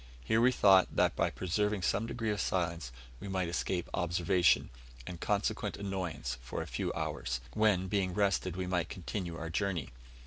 Here we thought, that by preserving some degree of silence, we might escape observation, and consequent annoyance, for a few hours, when, being rested, we might continue our journey.